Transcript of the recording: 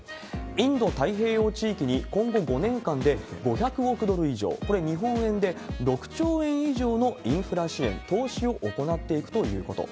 インド太平洋地域に今後５年間で５００億ドル以上、これ、日本円で６兆円以上のインフラ支援、投資を行っていくということ。